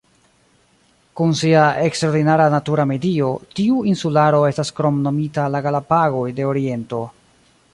Kun sia eksterordinara natura medio, tiu insularo estas kromnomita "La Galapagoj de Oriento".